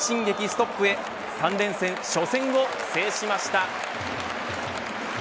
ストップへ３連戦初戦を制しました。